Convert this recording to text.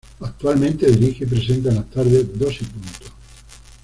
Actualmente dirige y presenta en las tardes "Dos y punto".